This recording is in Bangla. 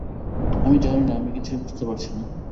আমি জানি না, আমি কিছুই বুঝতে পারছি না।